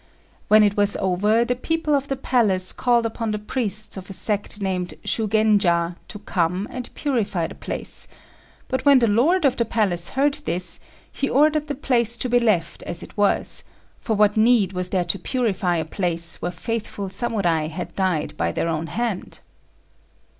When it was over, the people of the palace called upon the priests of a sect named Shugenja to come and purify the place; but when the lord of the palace heard this, he ordered the place to be left as it was; for what need was there to purify a place where faithful Samurai had died by their own hand?